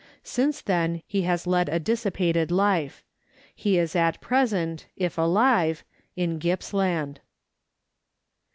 Since then he has led a dissipated life. He is at present (if alive) in Gippsland.